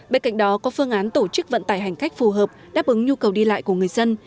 bên cạnh đó có phương án tổ chức vận tải hành khách phù hợp đáp ứng nhu cầu đi lại của người dân